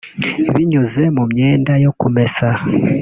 binyuze mu myenda yo kumesa